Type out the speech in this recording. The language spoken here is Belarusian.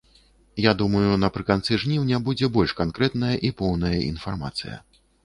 Я думаю, напрыканцы жніўня будзе больш канкрэтная і поўная інфармацыя.